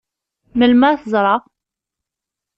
Melmi ad t-ẓṛeɣ?